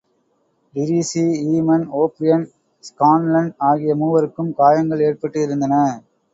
Treacy, Yemen O'Brien, Scanlon ஆகிய மூவருக்கும் காயங்கள் ஏற்பட்டிருந்தன.